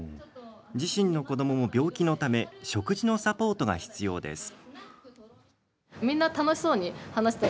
自身の子どもも、病気のため食事のサポートが必要です。